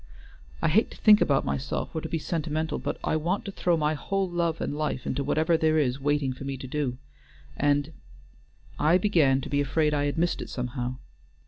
"I hate to talk about myself or to be sentimental, but I want to throw my whole love and life into whatever there is waiting for me to do, and I began to be afraid I had missed it somehow.